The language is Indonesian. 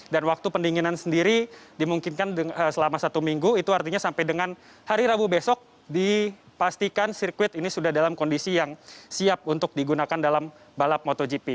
dan waktu pendinginan sendiri dimungkinkan selama satu minggu itu artinya sampai dengan hari rabu besok dipastikan sirkuit ini sudah dalam kondisi yang siap untuk digunakan dalam balap motogp